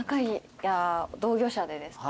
同業者でですか？